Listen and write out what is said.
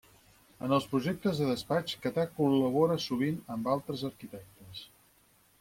En els projectes de despatx Catà col·labora sovint amb altres arquitectes.